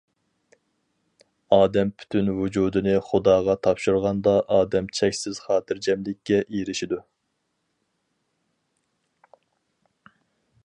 ئادەم پۈتۈن ۋۇجۇدىنى خۇداغا تاپشۇرغاندا ئادەم چەكسىز خاتىرجەملىككە ئېرىشىدۇ.